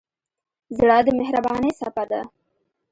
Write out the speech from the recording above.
زړه د مهربانۍ څپه ده.